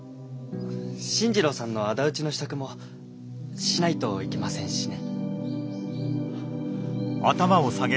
新二郎さんの仇討ちの支度もしないといけませんしね。